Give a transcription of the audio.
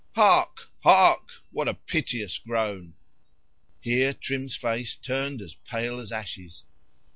Hark!—hark! what a piteous groan!"—[Here Trim's face turned as pale as ashes.